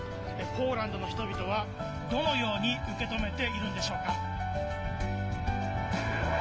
ポーランドの人々は、どのように受け止めているんでしょうか。